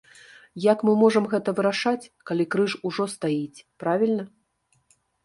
Як мы можам гэта вырашаць, калі крыж ужо стаіць, правільна?